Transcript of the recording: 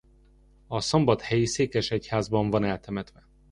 A szombathelyi székesegyházban van eltemetve.